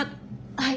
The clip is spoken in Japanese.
はい？